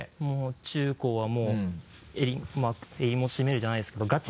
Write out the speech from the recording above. もう中高は襟もしめるじゃないですけど。